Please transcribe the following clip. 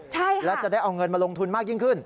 ใช่ค่ะแล้วจะได้เอาเงินมาลงทุนมากยิ่งขึ้น